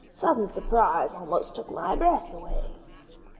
Sudden surprise almost took my breath away."